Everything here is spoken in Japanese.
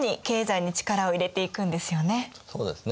そうですね。